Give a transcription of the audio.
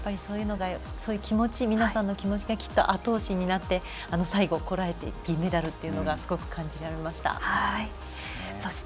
そういう皆さんの気持ちがきっと後押しになって最後、こらえて銀メダルというのがすごく感じられました。